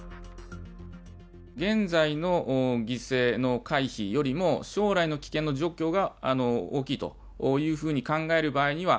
現在の犠牲の回避よりも、将来の危険の除去が大きいというふうに考える場合には、